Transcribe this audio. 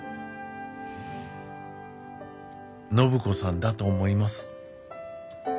暢子さんだと思います。